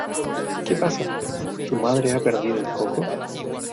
¿ Qué pasa? ¿ su madre ha perdido el coco ?